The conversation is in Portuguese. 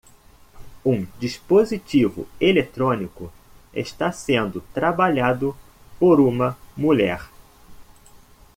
Um dispositivo eletrônico está sendo trabalhado por uma mulher.